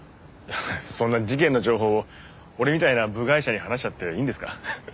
そんな事件の情報を俺みたいな部外者に話しちゃっていいんですか？